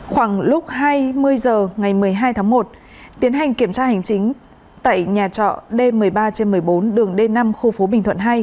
khoảng lúc hai mươi h ngày một mươi hai tháng một tiến hành kiểm tra hành chính tại nhà trọ d một mươi ba một mươi bốn đường d năm khu phố bình thuận hai